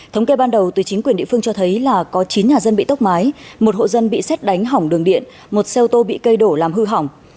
thống kê ban đầu từ chính quyền địa phương cho thấy là có chín nhà dân bị tốc mái một hộ dân bị xét đánh hỏng đường điện một xe ô tô bị cây đổ làm hư hỏng